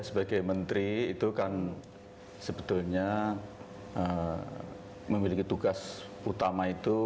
sebagai menteri itu kan sebetulnya memiliki tugas utama itu